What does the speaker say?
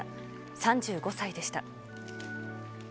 ３５歳でした。